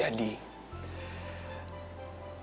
jadi mendingan kita jalannya dengan baik